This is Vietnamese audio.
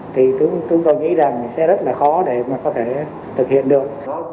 thì chúng tôi nghĩ rằng sẽ rất là khó để mà có thể thực hiện được